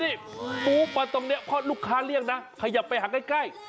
นี่ปู๊บมาตรงนี้เพราะลูกค้าเรียกนะขยับไปหักใกล้